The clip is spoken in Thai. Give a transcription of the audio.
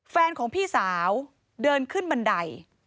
แฟนของพี่สาวเดินขึ้นบันได